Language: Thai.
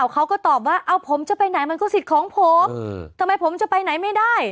เขาก็ตอบว่าเอาผมจะไปไหนมันก็สิทธิ์ของผมทำไมผมจะไปไหนไม่ได้